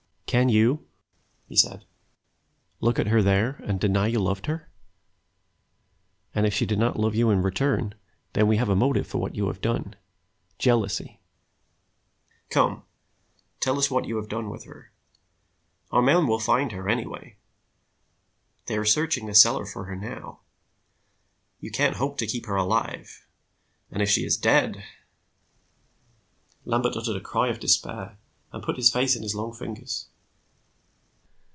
"Can you," he said, "look at her there, and deny you loved her? And if she did not love you in return, then we have a motive for what you have done jealousy. Come, tell us what you have done with her. Our men will find her, anyway; they are searching the cellar for her now. You can't hope to keep her, alive, and if she is dead " Lambert uttered a cry of despair, and put his face in his long fingers.